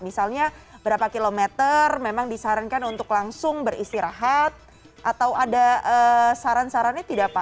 misalnya berapa kilometer memang disarankan untuk langsung beristirahat atau ada saran sarannya tidak pak